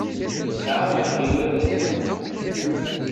Nesɛa akayad ass-a.